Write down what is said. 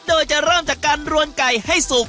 โดยจะเริ่มจากการรวนไก่ให้สุก